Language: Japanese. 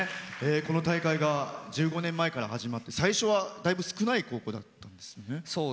この大会が１５年前から始まって最初は、だいぶ少ない高校だったんですよね。